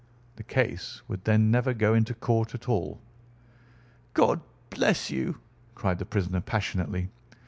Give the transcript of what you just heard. The case would then never go into court at all." "God bless you!" cried the prisoner passionately.